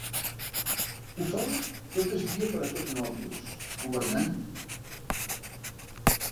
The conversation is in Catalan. Ho feu tot el dia per a tots nosaltres, governant!